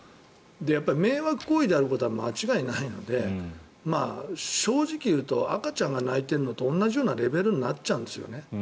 やっぱり迷惑行為であることは間違いないので正直いうと赤ちゃんが泣いているのと同じようなレベルになっちゃうんです。